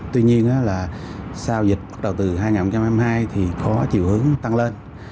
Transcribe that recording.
tuy nhiên là sau dịch bắt đầu từ hai nghìn hai mươi hai thì có chiều hướng tăng lên